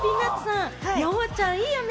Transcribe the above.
山ちゃん、いいよね。